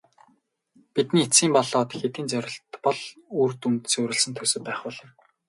Бидний эцсийн болоод хэтийн зорилт бол үр дүнд суурилсан төсөв байх болно.